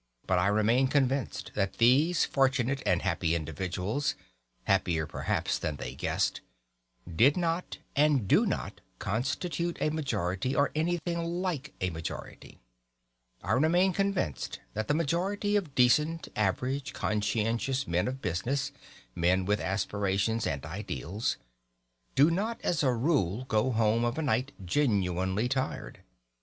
But I remain convinced that these fortunate and happy individuals (happier perhaps than they guessed) did not and do not constitute a majority, or anything like a majority. I remain convinced that the majority of decent average conscientious men of business (men with aspirations and ideals) do not as a rule go home of a night genuinely tired.